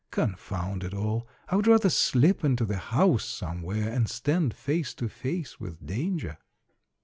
Confound it all, I would rather slip into the house somewhere, and stand face to face with danger